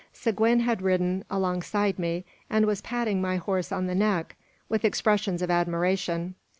Seguin had ridden alongside me, and was patting my horse on the neck with expressions of admiration.